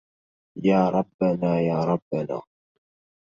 يا ربنا يا ربنا